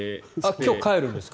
今日、帰るんですか？